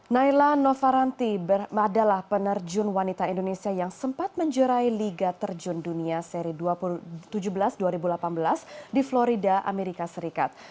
naila novaranti adalah penerjun wanita indonesia yang sempat menjerai liga terjun dunia seri dua ribu tujuh belas dua ribu delapan belas di florida amerika serikat